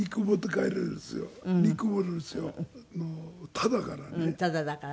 タダだからね。